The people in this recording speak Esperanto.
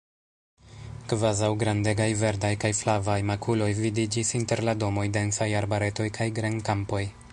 Kvazaŭ grandegaj verdaj kaj flavaj makuloj, vidiĝis inter la domoj densaj arbaretoj kaj grenkampoj.